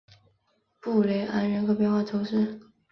布雷昂人口变化图示